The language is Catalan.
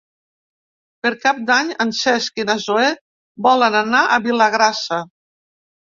Per Cap d'Any en Cesc i na Zoè volen anar a Vilagrassa.